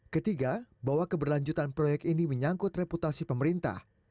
ketiga bahwa keberlanjutan proyek ini menyangkut reputasi pemerintah